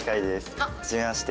あっ！はじめまして。